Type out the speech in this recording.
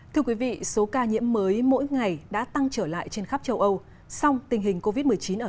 thưa quý vị số ca nhiễm mới mỗi ngày đã tăng trở lại trên khắp châu âu song tình hình covid một mươi chín ở